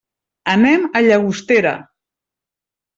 Anem a Llagostera.